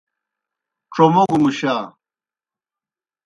ڇوموگوْ مُشا۔